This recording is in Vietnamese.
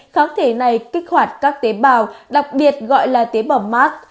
kháng thể này kích hoạt các tế bào đặc biệt gọi là tế bào mark